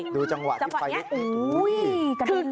ดูจังหวะที่ไฟลุก